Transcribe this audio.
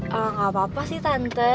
tidak apa apa sih tante